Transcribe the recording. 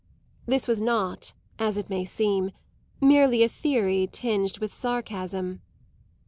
This was not, as it may seem, merely a theory tinged with sarcasm.